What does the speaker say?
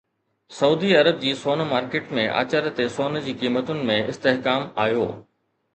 سعودي عرب جي سون مارڪيٽ ۾ آچر تي سون جي قيمتن ۾ استحڪام آيو